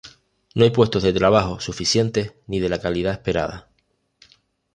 No hay puestos de trabajo suficientes ni de la calidad esperada.